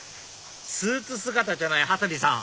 スーツ姿じゃない羽鳥さん